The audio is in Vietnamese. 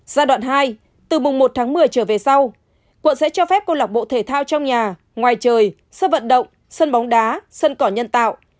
giai đoạn hai từ mùng một tháng một mươi trở về sau quận sẽ cho phép cô lạc bộ thể thao trong nhà ngoài trời sân vận động sân bóng đá sân cỏ nhân tạo